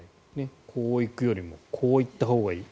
こう行くよりもこう行ったほうがいい。